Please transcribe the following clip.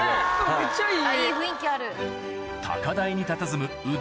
めっちゃいい。